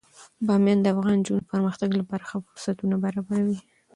بامیان د افغان نجونو د پرمختګ لپاره ښه فرصتونه برابروي.